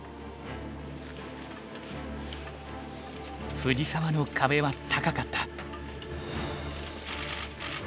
藤沢の壁は高かった。